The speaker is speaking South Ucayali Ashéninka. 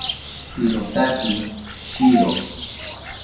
Irotaki shiro